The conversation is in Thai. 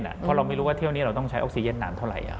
เพราะเราไม่รู้ว่าเที่ยวนี้เราต้องใช้ออกซีเย็นนานเท่าไหร่